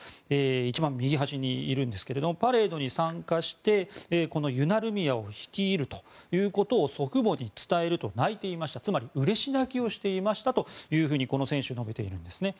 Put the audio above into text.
一番右端にいるんですがパレードに参加してユナルミヤを率いるということを祖父母に伝えると泣いていました、つまりうれし泣きをしていましたとこの選手は述べているんですね。